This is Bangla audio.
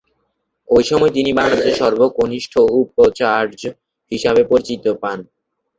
ওই সময়ে তিনি বাংলাদেশের সর্বকনিষ্ঠ উপাচার্য হিসেবে পরিচিতি পান।